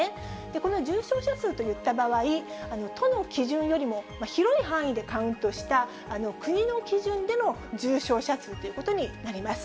この重症者数といった場合、都の基準よりも広い範囲でカウントした、国の基準での重症者数ということになります。